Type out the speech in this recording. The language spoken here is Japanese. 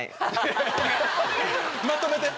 まとめて！